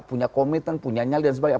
punya komitmen punya nyali dan sebagainya